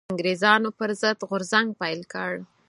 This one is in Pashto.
انګرېزانو پر ضد غورځنګ پيل کړ